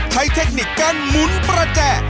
เทคนิคการหมุนประแจ